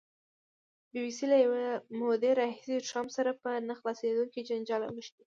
بي بي سي له یوې مودې راهیسې ټرمپ سره په نه خلاصېدونکي جنجال اوښتې.